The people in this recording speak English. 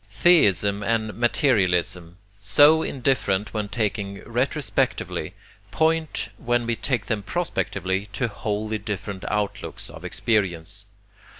Theism and materialism, so indifferent when taken retrospectively, point, when we take them prospectively, to wholly different outlooks of experience.